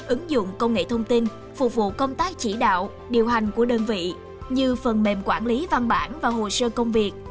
ứng dụng công nghệ thông tin phục vụ công tác chỉ đạo điều hành của đơn vị như phần mềm quản lý văn bản và hồ sơ công việc